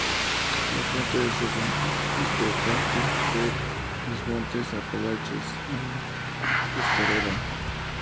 La fuente de su ramal Este parte de los montes Apalaches, en Tuscarora.